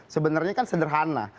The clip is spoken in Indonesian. sebenarnya kan sederhana